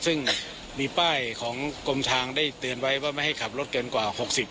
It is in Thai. ซึ่งมีป้ายของกรมทางได้เตือนไว้ว่าไม่ให้ขับรถเกินกว่า๖๐